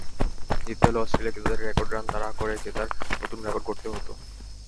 জিততে হলে অস্ট্রেলিয়াকে তাদের রান তাড়া করে জেতার নতুন রেকর্ড গড়তে হতো।